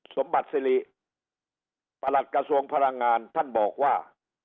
สมบัติสิริประหลัดกระทรวงพลังงานท่านบอกว่า